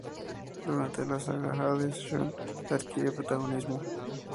Durante la Saga Hades, Shun adquiere protagonismo.